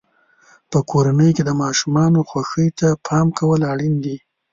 په کورنۍ کې د ماشومانو خوښۍ ته پام کول اړین دي.